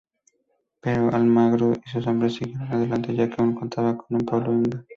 Pero Almagro y sus hombres siguieron adelante, ya que aún contaban con Pablo Inga.